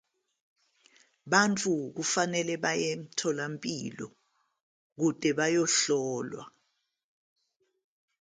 Abantu kufanele baye emtholampilo ukuze bayohlolwa.